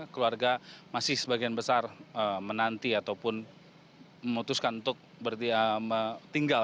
keluarga masih sebagian besar menanti ataupun memutuskan untuk tinggal